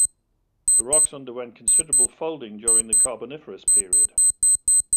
The rocks underwent considerable folding during the Carboniferous period.